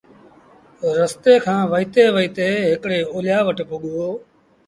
رستي کآݩ وهيٚتي وهيٚتي هڪڙي اوليآ وٽ پُڳو